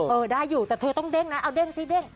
เออได้อยู่แต่เธอต้องเด้งนะเอาเด้งซิเด้ง